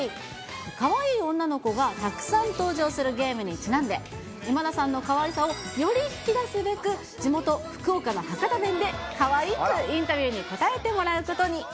かわいい女の子がたくさん登場するゲームにちなんで、今田さんのかわいさをより引き出すべく、地元、福岡の博多弁で、かわいくインタビューに答えてもらうことに。